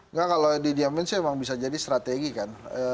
enggak kalau didiamin sih emang bisa jadi strategi kan